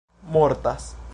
mortas